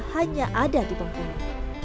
hanya ada di bengkulu